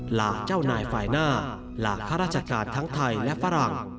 หลากเจ้านายฝ่ายหน้าหลากข้าราชการทั้งไทยและฝรั่ง